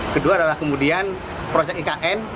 kedua adalah kemudian proses ikn